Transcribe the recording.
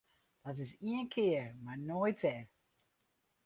Dat is ien kear mar noait wer!